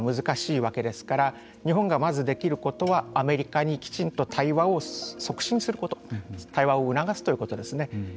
ただ、現実的には中国を引き込むというのは難しいわけですから日本がまずできることはアメリカにきちんと対話を促進すること対話を促すということですね。